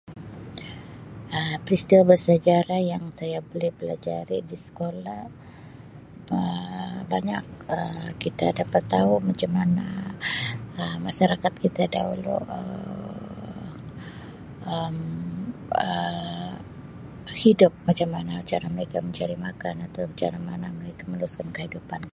Um Kisah bersejarah yang saya boleh pelajari di sekolah Um banyak Um kita dapat tau macam mana Um masyarakat kita dahulu Um Um Um hidup macam mana cara mereka mencari makan atau cara mana mereka menyusun kehidupan.